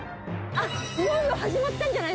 いよいよ始まったんじゃないですか？